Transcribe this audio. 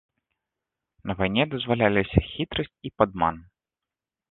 На вайне дазваляліся хітрасць і падман.